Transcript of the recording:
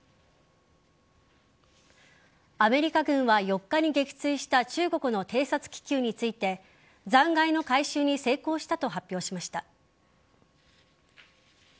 アメリカ軍は４日に撃墜した中国の偵察気球について残骸の回収に成功したと発表しました。